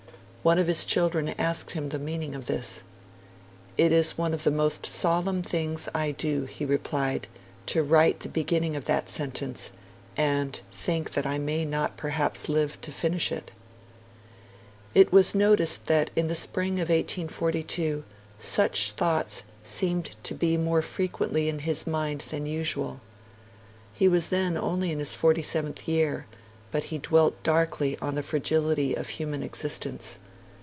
One of his children asked him the meaning of this. 'It is one of the most solemn things I do,' he replied, 'to write the beginning of that sentence, and think that I may perhaps not live to finish it.' It was noticed that in the spring of 1842 such thoughts seemed to be even more frequently in his mind than usual. He was only in his forty seventh year, but he dwelt darkly on the fragility of human existence.